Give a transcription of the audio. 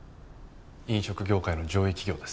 飲食業界の上位企業です。